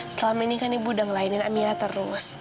setelahates ini ibu udah ngelainin amira terus